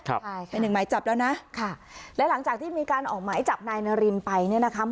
ใช่เป็นหนึ่งหมายจับแล้วนะค่ะและหลังจากที่มีการออกหมายจับนายนารินไปเนี่ยนะคะ